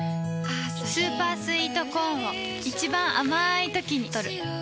スーパースイートコーンを一番あまいときにとる